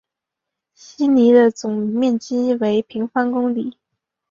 希尼的总面积为平方公里。